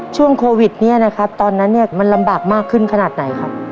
ช่วงโควิดเนี่ยนะครับตอนนั้นเนี่ยมันลำบากมากขึ้นขนาดไหนครับ